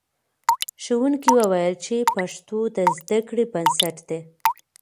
ښوونکي وویل چې پښتو د زده کړې بنسټ دی.